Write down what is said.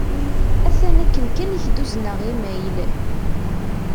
Atan akken kan i k-d-uzneɣ imayl.